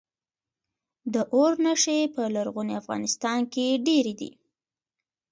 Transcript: د اور نښې په لرغوني افغانستان کې ډیرې دي